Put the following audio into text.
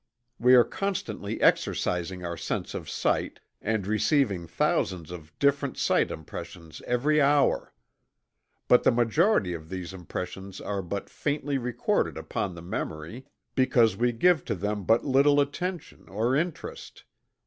We are constantly exercising our sense of sight, and receiving thousands of different sight impressions every hour. But the majority of these impressions are but faintly recorded upon the memory, because we give to them but little attention or interest.